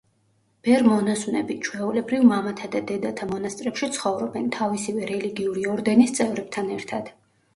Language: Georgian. ბერ-მონაზვნები, ჩვეულებრივ, მამათა და დედათა მონასტრებში ცხოვრობენ, თავისივე რელიგიური ორდენის წევრებთან ერთად.